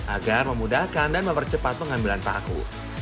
agar memudahkan dan mempercepat pengambilan paku